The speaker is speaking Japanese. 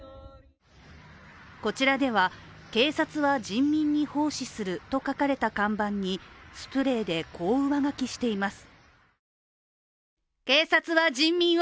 こちらでは、警察は人民に奉仕すると書かれた看板にスプレーで、こう上書きしています。